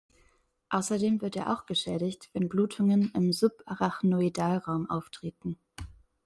Außerdem wird er auch geschädigt, wenn Blutungen im Subarachnoidalraum auftreten.